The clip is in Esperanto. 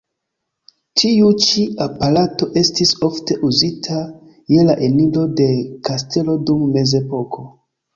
Tiu ĉi aparato estis ofte uzita je la eniro de kastelo dum Mezepoko.